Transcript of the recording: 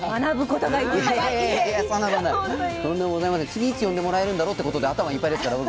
次いつ呼んでもらえるんだろうってことで頭いっぱいですから僕。